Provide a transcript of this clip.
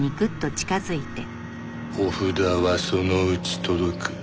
おフダはそのうち届く。